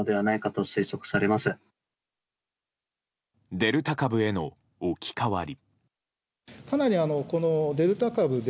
デルタ株への置き換わり。